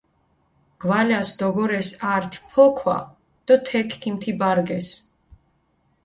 გვალას დოგორეს ართი ფოქვა დო თექი ქიმთიბარგესჷ.